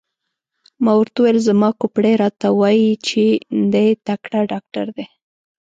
ما ورته وویل: زما کوپړۍ راته وایي چې دی تکړه ډاکټر دی.